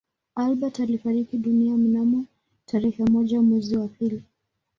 Albert alifariki dunia mnamo tarehe moja mwezi wa pili